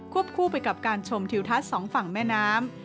คู่ไปกับการชมทิวทัศน์สองฝั่งแม่น้ำ